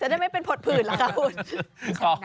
จะได้ไม่เป็นผดผื่นละคะพี่